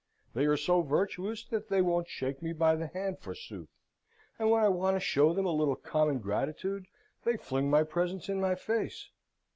They are so virtuous that they won't shake me by the hand, forsooth; and when I want to show them a little common gratitude, they fling my presents in my face!"